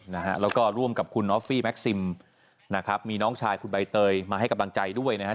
นะฮะแล้วก็ร่วมกับคุณออฟฟี่แม็กซิมนะครับมีน้องชายคุณใบเตยมาให้กำลังใจด้วยนะฮะ